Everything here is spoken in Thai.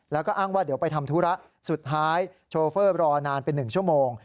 แล้วก็อ้างว่าเดี๋ยวไปทำธุระสุดท้ายโชเฟอร์รอนานเป็น๑ชั่วโมง